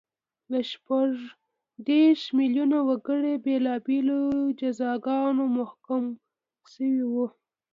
له شپږ دېرش میلیونه وګړي بېلابېلو جزاګانو محکوم شوي وو